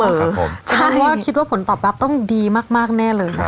ใช่ว่าคิดว่าผลตอบรับต้องดีมากแน่เลยนะคะ